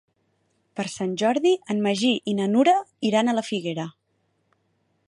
Per Sant Jordi en Magí i na Nura iran a la Figuera.